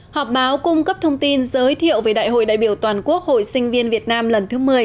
họp báo cung cấp thông tin giới thiệu về đại hội đại biểu toàn quốc hội sinh viên việt nam lần thứ một mươi